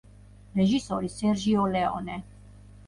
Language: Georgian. რეჟისორი სერჟიო ლეონე.